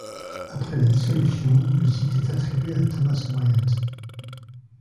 Après la Dissolution le site est attribué à Thomas Wyatt.